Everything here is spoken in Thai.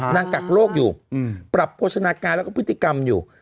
กักโรคอยู่ปรับโภชนาการแล้วก็พฤติกรรมอยู่